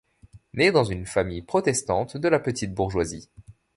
Né dans une famille protestante, de la petite bourgeoisie.